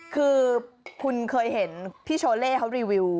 คือคุณเคยเห็นพี่โชเล่เขารีวิว